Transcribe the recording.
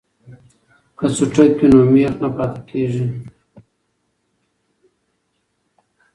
که څټک وي نو میخ نه پاتې کیږي.